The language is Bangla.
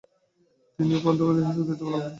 তিনি উপঅর্থমন্ত্রী হিসেবে দায়িত্ব পালন করেন।